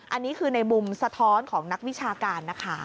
อันนี้คือในมุมสะท้อนของนักวิชาการนะคะ